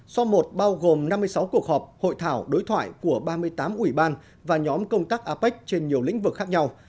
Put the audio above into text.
so một bao gồm năm mươi sáu cuộc họp hội thảo đối thoại của ba mươi tám ủy ban và nhóm công tác apec trên nhiều lĩnh vực khác nhau